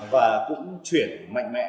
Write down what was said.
và cũng chuyển mạnh mẽ